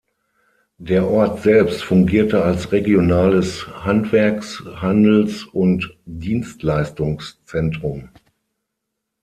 Der Ort selbst fungierte als regionales Handwerks-, Handels- und Dienstleistungszentrum.